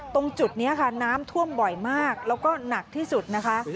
ตรงจุดนี้ค่ะน้ำท่วมบ่อยมากแล้วก็หนักที่สุดนะคะ